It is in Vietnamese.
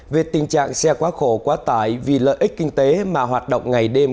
về tình trạng xe quá khổ quá tải vì lợi ích kinh tế mà hoạt động ngày đêm